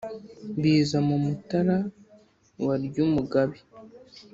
Biza mu Mutara wa Lyumugabe